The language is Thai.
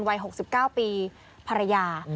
วัย๖๙ปีภรรยา